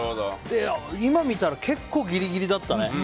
今見たら結構ギリギリだったね。